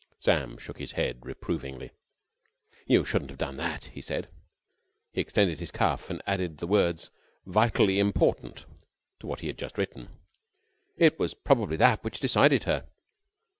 Sam shook his head reprovingly. "You shouldn't have done that!" he said. He extended his cuff and added the words "Vitally important" to what he had just written. "It was probably that which decided her."